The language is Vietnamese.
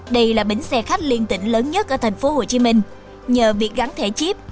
điện tử lớn nhất ở tp hcm nhờ việc gắn thẻ chip